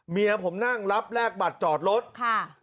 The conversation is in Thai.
เมียผมนั่งรับแลกบัตรจอดรถค่ะ